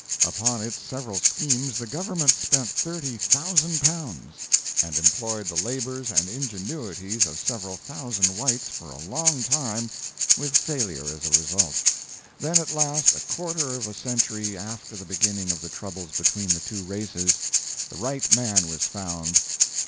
Upon its several schemes the Government spent L30,000 and employed the labors and ingenuities of several thousand Whites for a long time with failure as a result. Then, at last, a quarter of a century after the beginning of the troubles between the two races, the right man was found.